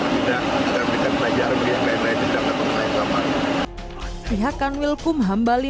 berbeda agar bisa belajar bagian lainnya tidak terkena yang sama pihak kan wilkum hambali